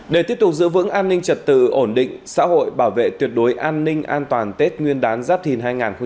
để tiếp tục giữ vững an ninh trật tự ổn định xã hội bảo vệ tuyệt đối an ninh an toàn tết nguyên đán giáp thìn hai nghìn hai mươi bốn